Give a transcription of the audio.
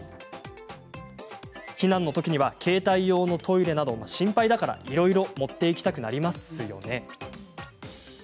避難のときには携帯用のトイレなど心配だから、いろいろ持っていきたくなりますよね。